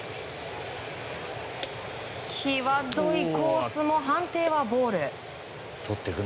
際どいコースも判定はボール。